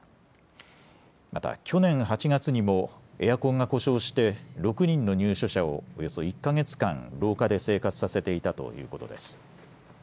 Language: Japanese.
また去年８月にもエアコンが故障して６人の入所者をおよそ１か月間、廊下で生活させていたということです。